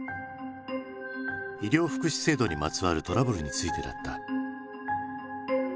医療福祉制度にまつわるトラブルについてだった。